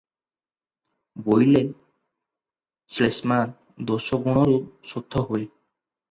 ବୋଇଲେ ଶ୍ଳେଷ୍ମା ଦୋଷ ଗୁଣରୁ ଶୋଥ ହୁଏ ।